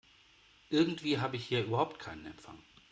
Irgendwie habe ich hier überhaupt keinen Empfang.